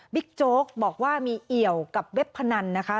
โจ๊กบอกว่ามีเอี่ยวกับเว็บพนันนะคะ